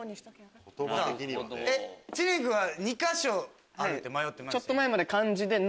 知念君は２か所あるって迷ってましたけど。